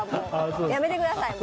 やめてください。